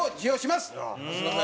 すみません。